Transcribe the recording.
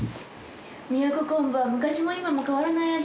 都こんぶは昔も今も変わらない味。